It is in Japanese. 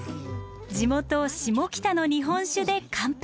地元下北の日本酒で乾杯。